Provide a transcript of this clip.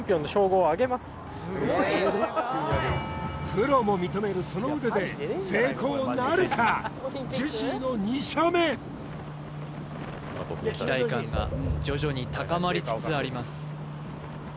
プロも認めるその腕で成功なるかジェシーの２射目期待感が徐々に高まりつつあります